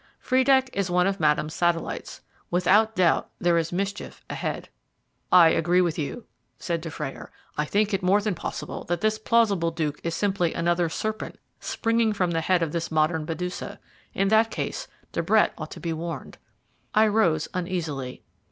"Friedeck is one of Madame's satellites. Without doubt, there is mischief ahead." "I agree with you," said Dufrayer; "I think it more than possible that this plausible Duke is simply another serpent springing from the head of this modern Medusa. In that case, De Brett ought to be warned." I rose uneasily.